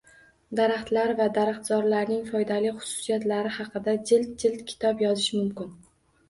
Daraxtlar va daraxtzorlarning foydali xususiyatlari haqida jild-jild kitob yozish mumkin